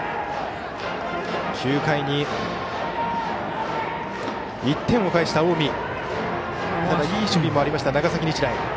９回に１点を返した近江。